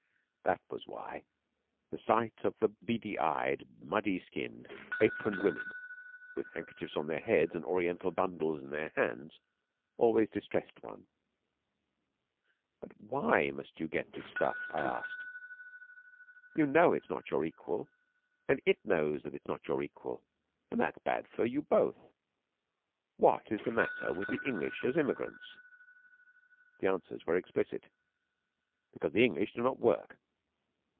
That was why the sight of the beady eyed, muddy skinned, aproned women, with handkerchiefs on their heads and Oriental bundles in their hands, always distressed one. 'But why must you get this stuff?' I asked. 'You know it is not your equal, and it knows that it is not your equal; and that is bad for you both. What is the matter with the English as immigrants?' The answers were explicit: 'Because the English do not work.